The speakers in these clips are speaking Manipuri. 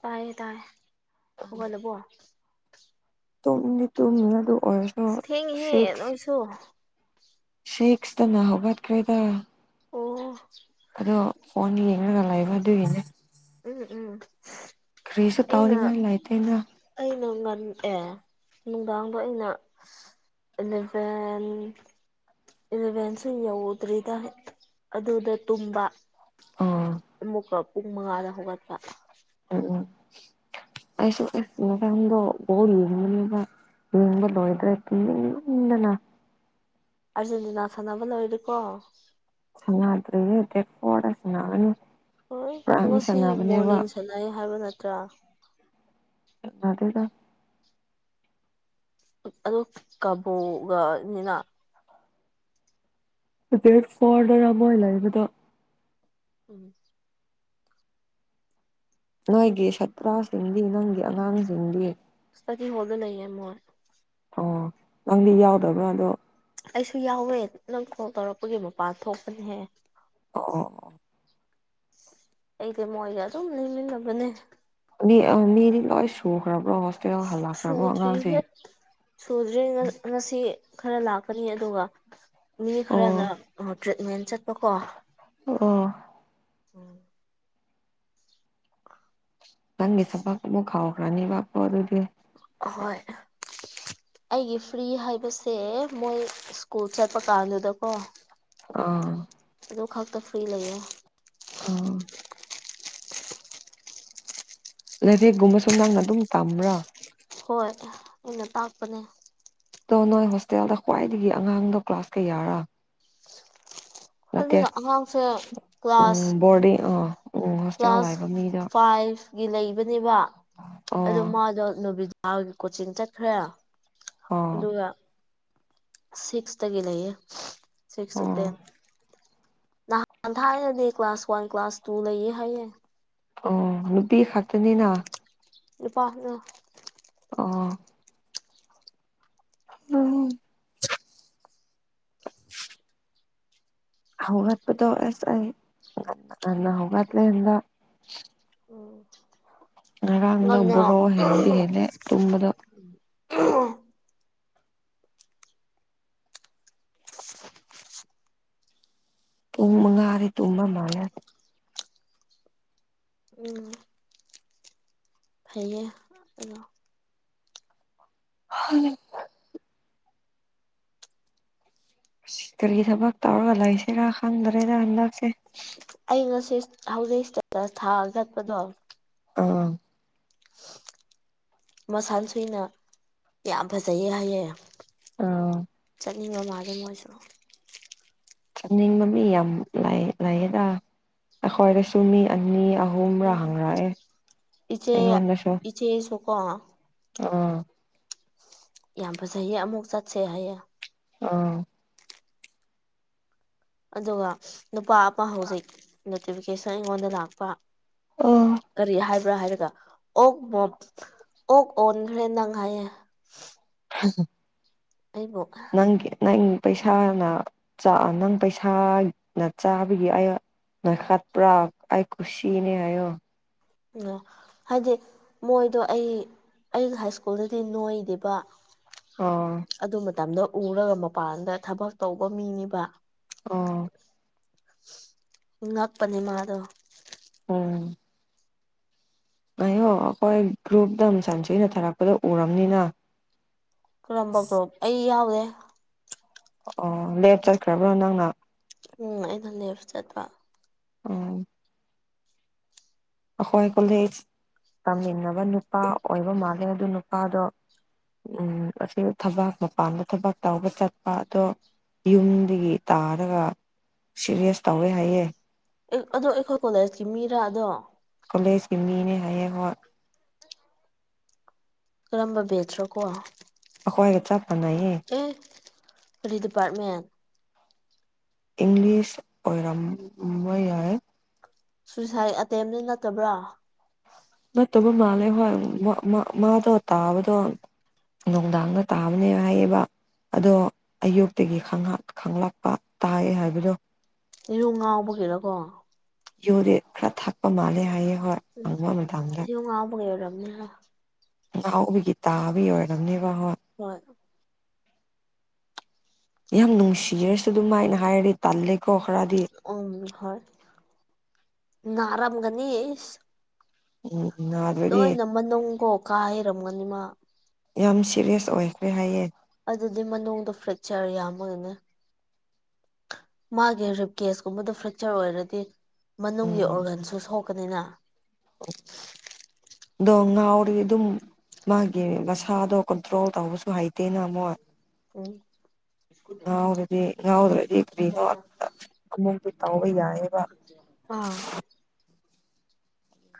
ꯇꯥꯏꯌꯦ ꯇꯥꯏꯌꯦ ꯍꯧꯒꯠ ꯂꯕꯣ ꯇꯨꯝꯅꯤ [unintelligible] ꯇ ꯃꯔꯗꯨ ꯑꯣ ꯑꯁ ꯊꯦꯡꯉꯤꯍꯦ ꯁꯤꯁ ꯅꯣꯏꯁꯨ ꯁꯤꯦꯛꯁꯇꯅꯥ ꯍꯩꯒꯠ ꯈꯔꯦꯗ ꯑꯣ ꯑꯗꯣ ꯐꯣꯟ ꯌꯦꯡꯉꯒ ꯂꯩꯥꯕ ꯑꯗꯨꯒꯤꯅꯦ ꯎꯝ ꯎꯝ ꯀꯔꯤꯁꯨ ꯑꯩꯅ ꯇꯧꯅꯤꯡꯉꯥꯏ ꯂꯩꯇꯦꯅ ꯑꯩꯅ ꯉꯟ ꯑꯦ ꯅꯨꯡꯗꯥꯡꯗ ꯑꯩꯅ ꯏꯂꯥꯚꯦꯟ ꯏꯂꯚꯦꯟꯁꯨ ꯌꯧꯗ꯭ꯔꯤꯗ ꯑꯗꯨꯗ ꯇꯨꯝꯕ ꯑꯥ ꯑꯃꯨꯛꯀ ꯄꯨꯡ ꯃꯉꯥꯗ ꯍꯧꯒꯠ ꯄ ꯎꯝ ꯎꯝ ꯑꯩꯁꯨ ꯑꯃꯁꯨꯡ ꯅꯨꯃꯤꯠꯇ ꯗꯨ ꯕꯣꯜ ꯌꯦꯡꯉꯤꯉꯩꯗ ꯌꯦꯡꯕ ꯂꯣꯏꯗ꯭ꯔꯦ ꯇꯨꯝꯅꯤꯡ ꯃꯟꯗꯅ ꯑꯥꯔꯖꯦꯟꯇꯤꯅꯥ ꯁꯥꯟꯅꯕ ꯂꯣꯏꯔꯦꯀꯣ ꯁꯥꯟꯅꯗꯔꯤꯍꯦ ꯗꯦꯠ ꯐꯣꯔꯗ ꯁꯅꯒꯅꯤ ꯍꯣꯏ ꯉꯁꯤ ꯃꯣꯔꯅꯤꯡ ꯁꯥꯟꯅꯩ ꯍꯥꯏꯕ ꯅꯠꯇ꯭ꯔꯥ ꯖꯗꯦꯗ ꯑ ꯀꯕꯣꯒꯅꯤꯅ ꯑ ꯐꯗꯔꯃꯂꯗ ꯎꯝ ꯅꯣꯏꯒꯤ ꯁꯥꯇ꯭ꯔꯥꯁꯤꯡꯗꯤ ꯅꯪꯒꯤ ꯑꯉꯥꯡꯁꯤꯡꯗꯤ ꯇ ꯍꯗ ꯅꯌꯦ ꯃꯣꯟ ꯑꯣ ꯅꯪꯗꯤ ꯌꯥꯎꯗꯕ꯭ꯔꯥ ꯑꯗꯣ ꯑꯩꯁꯨ ꯌꯥꯎꯋꯦ ꯅꯪ ꯀꯣꯜ ꯇꯧꯔꯛꯄꯒꯤ ꯃꯄꯥꯟ ꯊꯣꯛꯄꯅꯦꯍꯦ ꯑꯣ ꯑꯩꯗꯤ ꯃꯣꯏꯒ ꯑꯗꯨꯝ ꯂꯩꯃꯤꯟꯅꯕꯅꯦ ꯃꯤ ꯃꯤꯔꯤ ꯂꯣꯏ ꯁꯨꯔꯈꯔꯝ ꯆꯔꯤ ꯍ ꯆꯔꯤ ꯉꯁꯤ ꯈꯔ ꯂꯥꯛꯀꯅꯤ ꯑꯗꯨꯒ ꯃꯤ ꯈꯔꯅ ꯑꯣ ꯇ꯭ꯔꯤꯠꯃꯦꯟ ꯆꯠꯄꯀꯣ ꯑꯣ ꯎꯝ ꯥꯟꯒꯦ ꯊꯕ ꯀꯕꯨ ꯈꯥꯎ ꯔꯥꯅꯤꯕ ꯀꯣ ꯑꯗꯨꯗꯤ ꯍꯣꯏ ꯑꯩꯒꯤ ꯐ꯭ꯔꯤ ꯍꯥꯏꯕꯁꯦ ꯃꯣꯏ ꯁ꯭ꯀꯨꯜ ꯆꯠꯄ ꯀꯥꯟꯗꯨꯗꯀꯣ ꯑꯥ ꯑꯗꯨ ꯈꯛꯇ ꯐ꯭ꯔꯤ ꯂꯩꯌꯦ ꯑ ꯂꯥꯏꯔꯦꯛꯒꯨꯝꯕꯁꯨ ꯅꯪꯅ ꯑꯗꯨꯝ ꯇꯝꯕ꯭ꯔꯥ ꯍꯣꯏ ꯑꯩꯅ ꯇꯥꯛꯄꯅꯦ ꯑꯣ ꯅꯣꯏ ꯍꯣꯁꯇꯦꯜꯗ ꯈ꯭ꯋꯥꯏꯗꯒꯤ ꯑꯉꯥꯡꯗꯣ ꯀ꯭ꯂꯥꯁ ꯀꯌꯥꯔ ꯑꯗꯨꯅ ꯑꯉꯥꯡꯁꯦ ꯀ꯭ꯂꯥꯁ ꯎꯝ ꯕꯣꯔꯗꯤꯡ ꯑꯥ ꯎꯝ ꯍꯣꯁꯇꯦꯜ ꯀ꯭ꯂꯥꯁ ꯂꯩꯕ ꯃꯤꯗꯣ ꯐꯥꯏꯚ ꯒꯤ ꯂꯩꯕꯅꯦꯕ ꯑꯣ ꯑꯗꯣ ꯃꯥꯗꯣ ꯅꯨꯕꯤꯗꯥꯒꯤ ꯀꯣꯆꯤꯡ ꯆꯠꯈ꯭ꯔꯦ ꯑꯣ ꯑꯗꯨꯒ ꯁꯤꯛꯁꯇꯒꯤꯦ ꯂꯩꯌꯦ ꯑꯣ ꯁꯤꯛꯁꯇ ꯅꯍꯥꯟ ꯊ ꯍꯥꯏꯔꯗꯤ ꯀ꯭ꯂꯥꯁ ꯋꯥꯟ ꯀ꯭ꯂꯥꯁ ꯇꯨ ꯂꯩꯌꯦ ꯍꯥꯏꯌꯦ ꯑꯣ ꯅꯨꯄꯤ ꯈꯛꯇꯅꯤꯅ ꯏꯄꯥ ꯑ ꯑ ꯎꯝ ꯍꯧꯒꯠꯄꯗꯣ ꯑꯦꯁ ꯑꯩ ꯀꯟꯅ ꯍꯧꯒꯠꯂꯦꯗ ꯉꯅꯤ ꯕꯣꯔꯣ ꯍꯦꯟꯗꯤ ꯍꯦꯜꯂꯦ ꯇꯨꯝꯕꯗꯣ ꯇꯣꯡꯃꯒ ꯑꯔꯦ ꯇꯨꯝꯕ ꯃꯥꯂ ꯎꯝ ꯐꯩꯌꯦ ꯑ ꯍ ꯀꯔꯤꯒꯤ ꯊꯕꯛ ꯇꯧꯔꯒ ꯂꯩꯁꯤꯦꯔꯥ ꯈꯪꯗ꯭ꯔꯦꯗ ꯍꯟꯗꯛꯁꯦ ꯑꯩ ꯉꯁꯤ ꯍꯧꯖꯤꯛꯗꯗ ꯊꯥꯒꯠꯄꯗꯣ ꯑꯥ ꯃꯁꯥꯅ ꯁꯨꯏꯅ ꯌꯥꯝ ꯐꯖꯩꯌꯦ ꯍꯥꯏꯌꯦ ꯑꯥ ꯆꯠꯅꯤꯡꯕ ꯃꯥꯒꯦ ꯃꯣꯏꯁꯨ ꯆꯠꯅꯤꯡꯕ ꯃꯤ ꯌꯥꯝ ꯂꯩꯌꯦꯗ ꯑꯩꯈꯣꯏꯗꯁꯨ ꯃꯤ ꯑꯅꯤ ꯍꯣꯡꯕ꯭ꯔꯥ ꯍꯪꯔꯛꯑꯦ ꯑꯩꯉꯣꯟꯗꯁꯨ ꯀ ꯑꯥ ꯌꯥꯝ ꯐꯖꯩꯌꯦ ꯑꯃꯨꯛ ꯆꯠꯁꯦ ꯍꯥꯏꯌꯦꯦ ꯑꯥ ꯑꯗꯨꯒ ꯅꯨꯄꯥ ꯑꯃ ꯑꯃ ꯍꯧꯖꯤꯛ ꯅꯣꯇꯤꯐꯤꯀꯦꯁꯟ ꯑꯩꯉꯣꯟꯗ ꯂꯥꯛꯄ ꯑꯣ ꯀꯔꯤ ꯍꯥꯏꯕ ꯭ꯕꯔ ꯍꯥꯏꯔꯒ ꯑꯣꯛ ꯃꯣ ꯑꯣꯛ ꯑꯣꯟꯈ꯭ꯔꯦ ꯅꯪ ꯍꯥꯏꯌꯦ ꯎ ꯑꯩꯕꯨ ꯅꯪ ꯅꯪ ꯄꯩꯁꯥꯅ ꯅꯪ ꯄꯩꯁꯥꯅ ꯆꯥꯕꯒꯤ ꯑ ꯅꯁꯠ ꯄ꯭ꯔꯥꯛ ꯑꯥꯏ ꯀꯨꯁꯤꯅꯦ ꯑꯣ ꯑꯣ ꯍꯥꯏꯗꯤ ꯃꯣꯏꯗꯣ ꯑꯩ ꯑꯩꯩꯅ ꯍꯥꯏ ꯁ꯭ꯀꯨꯜꯗꯗꯤ ꯅꯣꯏꯗꯦꯕ ꯑꯥ ꯑꯗꯨ ꯃꯇꯝꯗ ꯎꯔꯒ ꯃꯄꯥꯟꯗ ꯊꯕꯛ ꯇꯧꯕ ꯃꯤꯅꯦꯕ ꯑꯣ ꯉꯛꯄꯅꯦ ꯃꯥꯗꯣ ꯎꯝ ꯉꯌꯣ ꯑꯩꯈꯣꯏ ꯒ꯭ꯔꯨꯞꯇ ꯁꯟꯁꯣꯏꯅ ꯊꯥꯔꯛꯄꯗ ꯎꯔꯕꯝꯅꯤꯅ ꯀꯔꯝꯕ ꯀ꯭ꯔꯣꯝ ꯑꯩ ꯌꯥꯎꯗꯦ ꯑꯣ ꯂꯦꯞ ꯆꯠꯈ꯭ꯔꯕ꯭ꯔꯣ ꯅꯪꯅ ꯎꯝ ꯑꯩ ꯂ ꯆꯠꯄ ꯑ ꯑꯩꯈꯣꯏ ꯀꯣꯂꯦꯖ ꯇꯝꯃꯤꯟꯅꯕ ꯅꯨꯄꯥ ꯑꯣꯏꯕ ꯃꯥꯜꯂꯦ ꯑꯗꯨ ꯅꯨꯄꯥꯗꯣ ꯎꯝ ꯑꯁꯤ ꯊꯕꯥꯛ ꯃꯄꯥꯟꯗ ꯊꯕꯥꯛ ꯇꯕ ꯆꯠꯄ ꯑꯗꯣ ꯌꯨꯝꯗꯒꯤ ꯇꯥꯔꯒ ꯁꯤꯔꯤꯌꯁ ꯇꯧꯋꯦ ꯍꯥꯏꯌꯦ ꯑꯗꯣ ꯑꯩꯈꯣꯏ ꯀꯣꯂꯦꯖꯀꯤ ꯃꯤꯔꯥ ꯑꯗꯣ ꯀꯣꯂꯦꯖꯀꯤ ꯃꯤꯅꯦ ꯍꯥꯏꯌꯦꯡ ꯍꯣꯏ ꯀꯔꯝꯕ ꯕꯦꯠꯇ꯭ꯔꯣ ꯀꯣ ꯑꯩꯈꯣꯏꯒ ꯆꯞ ꯃꯥꯟꯅꯩꯌꯦ ꯄꯔꯤ ꯗꯤꯄꯥꯔꯠꯃꯦꯟ ꯏꯪꯂꯤꯁ ꯑꯣꯏꯔꯝꯕ ꯌꯥꯏ ꯁꯨꯏꯁꯥꯏꯠ ꯑꯦꯇꯦꯝꯅꯤ ꯅꯇꯕ꯭ꯔꯥ ꯅꯠꯇꯕ ꯃꯥꯜꯂꯦ ꯍꯣꯏ ꯃꯥꯗꯣ ꯇꯥꯕꯗꯣ ꯅꯨꯡꯗꯥꯡꯗ ꯇꯥꯕꯅꯦ ꯍꯥꯏꯌꯦꯕ ꯑꯗꯣ ꯑꯌꯨꯛꯇꯒꯤ ꯈꯪꯂꯛꯄ ꯇꯥꯏ ꯍꯥꯏꯕꯗꯣ ꯏꯔꯨ ꯉꯥꯎꯕꯒꯤꯔꯀꯣ ꯌꯣꯔꯦ ꯈꯔ ꯊꯥꯛꯄ ꯃꯥꯜꯂꯦ ꯍꯥꯏꯌꯦ ꯍꯣꯏ ꯍꯪꯕ ꯃꯇꯥꯡꯗ ꯎ ꯉꯍꯥꯎꯕꯒꯤ ꯇꯥꯕ ꯑꯣꯏꯔꯕꯝꯅꯦꯕ ꯍꯣꯏ ꯌꯥꯝ ꯅꯨꯡꯁꯤꯔꯁꯨ ꯑꯗꯨꯃꯥꯏꯅ ꯍꯥꯏꯔꯗꯤ ꯇꯂꯦ ꯑꯣ ꯍꯣꯏ ꯅꯔꯝꯒꯅꯤꯁ ꯎꯝ ꯅꯥꯗ꯭ꯔꯗꯤ ꯅꯣꯏ ꯅꯃ ꯅꯅꯨꯡ ꯀꯣ ꯀꯥ ꯍꯩꯔꯝꯒꯅꯤꯃ ꯌꯥꯝ ꯁꯤꯦꯔꯤꯌꯁ ꯑꯣꯏꯈ꯭ꯔꯦ ꯍꯥꯏꯌꯦ ꯑꯗꯨꯗꯤ ꯃꯅꯨꯡꯗꯣ ꯐ꯭ꯔꯦꯛꯆꯔ ꯌꯥꯝꯃꯅꯦ ꯃꯥꯒꯤ ꯔꯤꯞꯀꯦꯁꯀꯨꯝꯕꯗ ꯐ꯭ꯔꯦꯛꯆꯔ ꯑꯣꯏꯔꯗꯤ ꯃꯅꯨꯡꯒꯤ ꯑꯣꯔꯒꯟꯁꯨ ꯁꯣꯛ ꯀꯅꯤꯅ ꯗꯣꯉ ꯑꯣꯔ ꯑꯗꯨꯝ ꯃꯥꯒꯤ ꯃꯁꯥꯗꯣ ꯀꯟꯇ꯭ꯔꯣꯜ ꯇꯧꯕꯁꯨ ꯍꯩꯇꯦꯅ ꯑꯃꯨꯛ ꯎꯝ ꯉꯗꯗꯤ ꯉꯎꯗ꯭ꯔꯗꯤ ꯐꯔꯤꯅ ꯑꯥ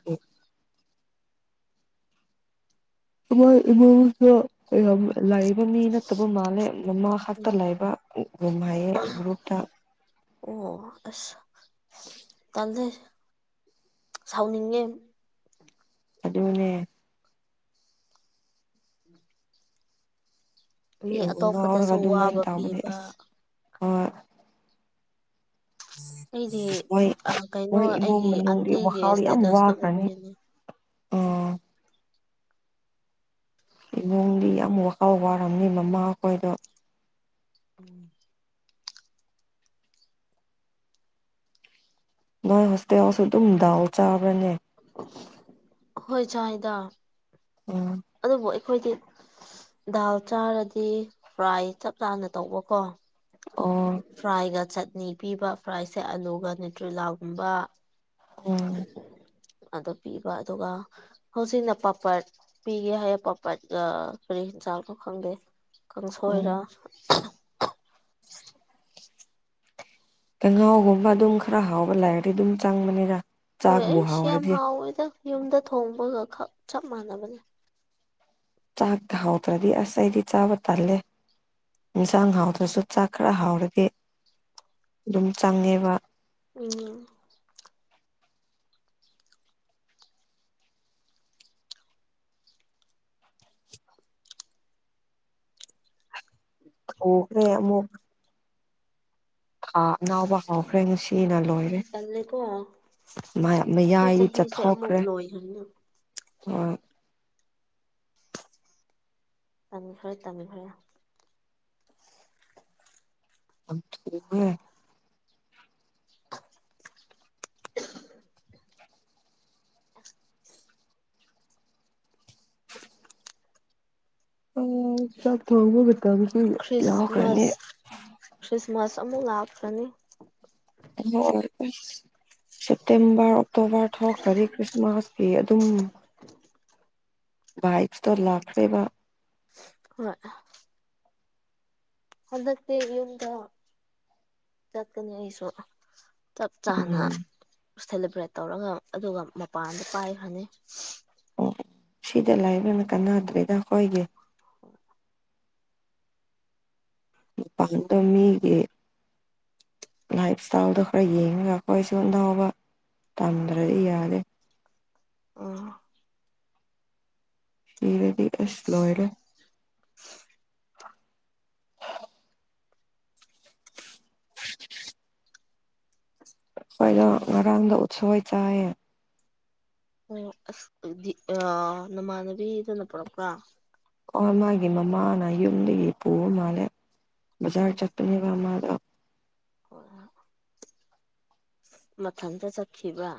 ꯑꯣ ꯑꯣꯏꯁꯨ ꯂꯥꯛꯏꯕ ꯃꯤ ꯅꯠꯇꯕ ꯃꯥꯜꯂꯦ ꯃꯃꯥ ꯈꯛꯇ ꯎꯝ ꯂꯩꯕ ꯨꯝ ꯍꯥꯏꯌꯦ ꯒ꯭ꯔꯨꯞꯇ [unintelligible] ꯑꯣ ꯑ ꯇꯜꯦ ꯁꯥꯎꯅꯤꯡꯉꯦ ꯑꯗꯨꯗ ꯃꯅꯦ ꯃꯤ ꯑꯦ ꯉꯥꯎꯔꯒ ꯑꯇꯣꯞꯄꯗꯁꯨ ꯑꯗꯨꯃꯥꯏꯅ ꯋꯥꯕ ꯇꯧꯕꯅꯦ ꯄꯤꯕ ꯑꯁ ꯑ ꯑꯩꯗꯤ ꯃꯣꯏ ꯀꯩꯅꯣ ꯃꯣꯏ ꯏꯃꯨꯡ ꯑꯩꯒꯤ ꯃꯅꯨꯡꯒꯤ ꯑꯟꯇꯤꯒꯤ ꯋꯥꯈꯜ ꯌꯥꯝ ꯏꯁꯇꯦꯇꯁꯇꯣ ꯋꯥꯈ꯭ꯔꯅꯤ ꯎꯕꯒꯤꯅꯦ ꯎ ꯑꯥ ꯏꯕꯨꯡꯗꯤ ꯌꯥꯝ ꯋꯥꯈꯥꯎ ꯋꯥꯔꯝꯅꯤ ꯃꯃꯥ ꯑꯩꯈꯣꯏꯗꯣ ꯎꯝ ꯅꯣꯏ ꯍꯣꯁꯇꯦꯜꯦꯜꯁꯨ ꯑꯗꯨꯝ ꯗꯥꯎ ꯆꯥꯕ꯭ꯔꯅꯦ ꯍꯣꯏ ꯆꯗ ꯎꯝ ꯑꯗꯨ ꯑꯩꯈꯣꯏꯗꯤ ꯗꯥꯜ ꯆꯥꯔꯗꯤ ꯐ꯭ꯔꯥꯏ ꯆꯞ ꯆꯥꯅ ꯇꯧꯕꯀꯣ ꯑꯣ ꯐ꯭ꯔꯥꯏꯒ ꯆꯠꯅꯤ ꯄꯤꯕ ꯐ꯭ꯔꯥꯏꯁꯦ ꯑꯂꯨꯒ ꯇ꯭ꯔꯤꯂꯥꯒꯨꯝꯕ ꯎꯝ [unintelligible] ꯑꯗꯨ ꯄꯤꯕ ꯑꯗꯨꯒ ꯍꯧꯖꯤꯛꯅ ꯄꯥꯄꯠ ꯄꯤꯒꯦ ꯍꯥꯏꯌꯦ ꯄꯥꯄꯔꯠ ꯀꯔꯤ ꯆꯥꯛꯄꯣ ꯈꯪꯗꯦ ꯎꯝ ꯀꯥꯡꯁꯣꯏꯔ ꯀꯍꯥꯎꯒꯨꯝꯕ ꯑꯗꯨꯝ ꯈꯔ ꯍꯥꯎꯕ ꯂꯥꯏꯔꯗꯤ ꯑꯗꯨꯝ ꯆꯪꯕꯅꯤꯔ ꯍꯣꯏ ꯑꯩꯁꯨ ꯌꯥꯝ ꯍꯥꯎꯋꯦꯗ ꯌꯨꯝꯗ ꯊꯣꯡꯕꯒ ꯈꯛ ꯆꯞ ꯃꯥꯟꯅꯕꯅꯦ ꯆꯥꯛꯇ ꯍꯥꯎꯗ꯭ꯔꯗꯤ ꯑꯁ ꯑꯩꯗꯤ ꯆꯥꯕ ꯇꯜꯂꯦ ꯏꯟꯁꯥꯡ ꯍꯥꯎꯗ꯭ꯔꯁꯨ ꯆꯥꯛ ꯈꯔ ꯍꯥꯎꯔꯒ ꯑꯗꯨꯝ ꯆꯪꯉꯦꯕ ꯎꯝ ꯈ꯭ꯔꯦ ꯑꯃꯨ ꯍ ꯅꯅꯥꯎꯕ ꯍꯥꯎꯈ꯭ꯔꯦꯅꯨꯡꯁꯤ ꯍꯝ ꯀꯣ ꯃꯌꯥꯝꯅ ꯌꯥꯏ ꯆꯠꯊꯣꯛꯈ꯭ꯔꯦ ꯂꯣꯏꯈ꯭ꯔꯅꯤ ꯍ ꯇꯝꯕꯤꯈꯔꯦ ꯇꯝꯕꯤꯈꯔꯦ ꯑꯦ ꯑ ꯆ ꯊꯕꯠꯇ ꯀꯌꯥ ꯀꯅꯤ ꯈ꯭ꯔꯤꯁꯃꯥꯁ ꯈ꯭ꯔꯤꯁꯃꯥꯁ ꯑꯃꯨꯛ ꯂꯥꯛꯈ꯭ꯔꯅꯤ ꯍ ꯁꯦꯞꯇꯦꯝꯕꯔ ꯑꯣꯛꯇꯣꯕꯔ ꯊꯣꯛꯈ꯭ꯔꯕꯤ ꯈ꯭ꯔꯤꯁꯃꯥꯁ ꯐꯤ ꯑꯗꯨꯝ ꯏꯛꯁꯇ ꯂꯈꯔꯦꯕ ꯍꯣꯏ ꯍꯗꯛꯇꯤ ꯌꯨꯝꯗ ꯆꯥꯛꯠꯀꯅꯤ ꯍꯥꯏꯁꯨ ꯆꯞ ꯆꯥꯅ ꯎꯝ ꯁꯦꯂꯦꯕ꯭ꯔꯦꯠ ꯇꯧꯔꯒ ꯑꯗꯨꯒ ꯃꯄꯥꯟꯗ ꯄꯥꯏꯈ ꯐꯅꯤ ꯁꯤꯗ ꯂꯥꯏꯕ꯭ꯔꯅ ꯀꯥꯟꯅꯗ꯭ꯔꯦꯗ ꯑꯩꯈꯣꯏꯒꯤ ꯍꯣꯏ ꯄꯥꯟꯗ ꯃꯤꯒꯤ ꯂꯥꯏꯐ ꯏꯁꯇꯥꯏꯜꯗꯣ ꯈꯔ ꯌꯦꯡꯉꯒ ꯑꯩꯈꯣꯏꯁꯨ ꯑꯥꯅꯥꯎꯕ ꯇꯝꯗ꯭ꯔꯗꯤ ꯌꯥꯗꯔꯦ ꯑ ꯍꯔꯗꯤ ꯑꯁ ꯂꯣꯏꯔꯦ [unintelligible] ꯑꯩꯈꯣꯏꯗꯣ ꯉꯔꯥꯡꯗ ꯎꯠꯁꯣꯏ ꯆꯥꯏꯌꯦ ꯑꯣ ꯑꯁꯗꯤ ꯑ ꯅꯃꯥꯟꯅꯕꯤꯗꯅ ꯄꯨꯔꯄ꯭ꯔꯣ ꯑꯣ ꯃꯥꯒꯤ ꯃꯃꯥꯅ ꯌꯨꯝꯗꯒꯤ ꯄꯨꯕ ꯃꯥꯜꯂꯦ ꯕꯖꯥꯔ ꯆꯠꯄꯅꯦꯕ ꯃꯥꯗꯣ ꯍ ꯃꯊꯟꯇ ꯆꯠꯈꯤꯕ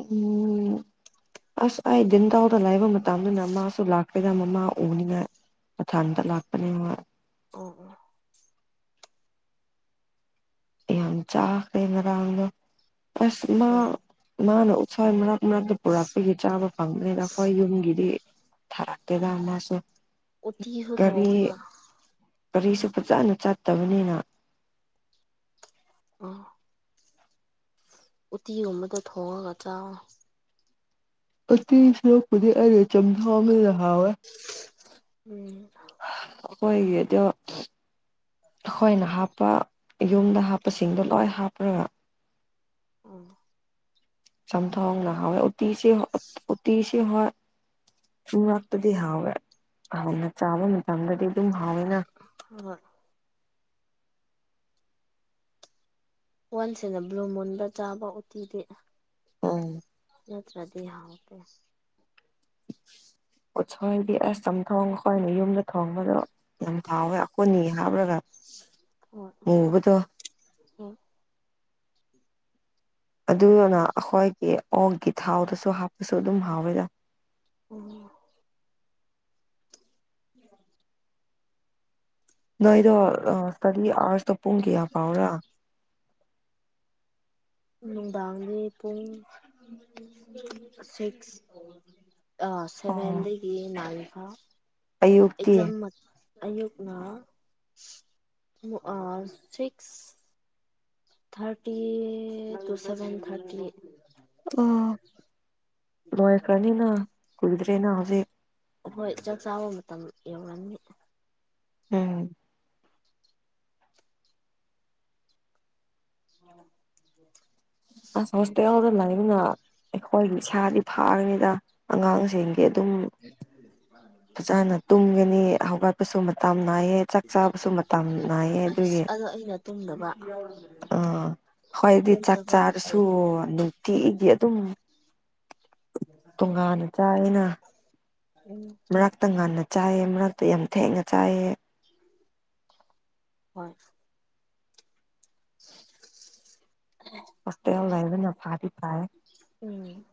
ꯎꯝ ꯑꯁ ꯑꯩ ꯟꯗꯥꯥꯎꯗ ꯂꯥꯏꯕ ꯃꯇꯝꯗꯨꯅ ꯃꯥꯁꯨ ꯂꯥꯛꯇꯦꯗ ꯃꯃꯥ ꯎꯅꯤꯉꯥꯏ ꯑꯣ ꯊꯗ ꯂꯄꯅꯦ ꯋꯥ ꯑꯣ ꯑꯣ ꯌꯥꯝꯆꯥꯈ ꯔꯥꯡꯒ ꯑꯁ ꯃꯥ ꯑꯣ ꯃꯥꯅ ꯎꯁꯥꯏ ꯃꯔꯛ ꯃꯔꯛꯇ ꯄꯨꯔꯛꯄꯒꯤ ꯆꯥꯕ ꯐꯪꯗꯅꯤꯅ ꯑꯩꯈꯣꯏ ꯌꯨꯝꯒꯤꯗꯤ ꯊꯔꯛꯇꯗꯝꯅꯁꯦ ꯑꯣꯇꯁꯨ ꯊꯣꯡꯑꯣꯅ ꯀꯔꯤꯁꯨ ꯐꯖꯅ ꯆꯠꯇꯕꯅꯤꯅ ꯑ ꯎꯇꯤꯒꯃꯗ ꯊꯣꯡꯉꯒ ꯆ ꯑꯁꯔꯨꯄꯗꯤ ꯑꯔ ꯆꯝꯊ ꯔꯍꯥ ꯎꯝ ꯑꯩꯈꯣꯏꯒꯤꯗꯣ ꯑꯩꯈꯣꯏꯅ ꯍꯥꯞꯄ ꯌꯨꯝꯗ ꯍꯥꯞꯄꯁꯤꯡꯗꯣ ꯂꯣꯏ ꯍꯥꯞꯄ꯭ꯔꯒ ꯎꯝ ꯆꯝꯊꯣꯡꯅꯍꯋꯦ ꯑꯇꯤꯁ ꯑꯇꯤꯁ ꯍ ꯌꯨꯝ ꯉꯥꯛꯇꯗꯤ ꯍꯥꯎꯋꯦ ꯍꯥꯟꯅ ꯆꯥꯕ ꯃꯇꯝꯗꯗꯤ ꯑꯗꯨꯝ ꯍꯥꯎꯋꯦꯅ ꯍ ꯋꯥꯟꯁꯅ ꯕ꯭ꯂꯨ ꯃꯨꯟꯗ ꯆꯥꯕ ꯎꯇꯤꯗꯤ ꯎꯝ ꯌꯥꯠꯇ꯭ꯔꯥꯗꯍꯒ ꯎꯁꯣꯏꯗꯤ ꯑꯁ ꯑꯗꯨꯝ ꯊꯣꯡꯉꯈꯣꯏꯅ ꯌꯨꯝꯗ ꯊꯣꯡꯕꯗꯣ ꯌꯥꯝ ꯍꯥꯎꯋꯦ ꯑꯀꯣꯟꯅꯤ ꯍꯥꯞꯂꯒ ꯍꯣꯏ ꯃꯨꯕꯗꯣ ꯍꯣꯏ ꯑꯗꯨꯅ ꯑꯩꯈꯣꯏꯒꯤ ꯑꯣꯛꯒꯤ ꯊꯥꯎꯗꯁꯨ ꯍꯥꯞꯄꯁꯨ ꯑꯗꯨꯝ ꯍꯥꯎꯋꯦꯗ ꯑꯣꯝ ꯎꯝ ꯅꯣꯏꯗꯣ ꯏꯁꯇꯗꯤ ꯑꯥꯋꯥꯔꯁꯇꯣ ꯄꯨꯡ ꯀꯌꯥ ꯐꯥꯎꯔꯥ ꯅꯨꯡꯗꯥꯡꯒꯤ ꯄꯨꯡ ꯁꯤꯛꯁ ꯑ ꯁꯦꯕꯦꯟꯗꯗꯒꯤ ꯅꯜꯀ ꯑꯌꯨꯛꯀꯤ ꯑꯌꯨꯛꯅ six thirty to seven thirty ꯑ ꯃ ꯀꯅꯤꯅ ꯀꯨꯜꯗꯔꯦꯅ ꯑꯣꯦ ꯍꯣꯏ ꯆꯥꯛ ꯆꯥꯕ ꯃꯇꯝ ꯌꯧꯔꯅꯤ ꯎꯝ ꯎ ꯑꯁ ꯍꯣꯁꯇꯦꯜꯗ ꯂꯩꯕꯅ ꯑꯩꯈꯣꯏꯒꯤ ꯏꯁꯥꯗꯤ ꯐꯥꯔꯤꯉꯩꯗ ꯑꯉꯥꯡꯁꯤꯡ ꯑꯗꯨꯝ ꯐꯖꯅ ꯇꯨꯝꯒꯅꯤ ꯍꯧꯒꯠꯄꯁꯨ ꯃꯇꯝ ꯅꯥꯏꯌꯦꯦ ꯆꯥꯛ ꯆꯥꯕꯁꯨ ꯃꯇꯝ ꯅꯥꯏꯌꯦ ꯑꯗꯨꯒꯤ ꯑꯗꯨꯒꯨꯡꯂꯕ ꯑꯥ ꯍꯣꯏꯗꯤ ꯆꯥꯛ ꯇꯨꯝꯗꯕꯒꯤ ꯆꯥꯔꯁꯨ ꯅꯨꯡꯇꯤꯗꯤ ꯑꯗꯨꯝ ꯇꯣꯉꯥꯟꯅ ꯆꯥꯏ ꯑꯩꯅ ꯎꯝ ꯃꯛ ꯇꯪꯒꯥꯟꯅ ꯆꯥꯏꯑ ꯃꯔꯛꯇ ꯌꯥꯝ ꯊꯦꯡꯅ ꯆꯥꯏꯑ ꯍꯣꯏ [inaudible] ꯐꯇ ꯂꯩꯕꯅ ꯐꯥꯔ ꯄꯥꯏ ꯎꯝ